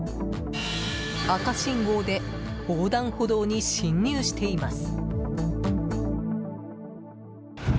赤信号で横断歩道に進入しています。